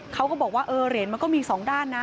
เขาก็บอกว่าเออเหรียญมันก็มีสองด้านนะ